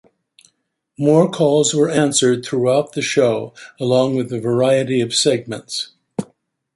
More calls were answered throughout the show, along with a variety of segments.